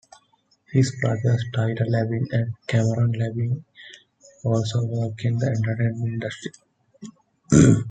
His brothers Tyler Labine and Cameron Labine, also work in the entertainment industry.